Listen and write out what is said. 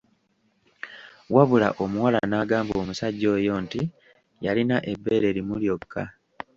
Wabula omuwala n'agamba omusajja oyo nti yalina ebbeere limu lyokka.